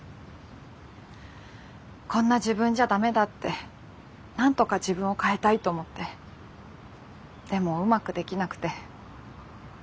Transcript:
こんな自分じゃダメだってなんとか自分を変えたいと思ってでもうまくできなくて。